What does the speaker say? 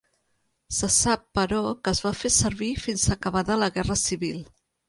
Se sap, però, que es va fer servir fins acabada la guerra civil.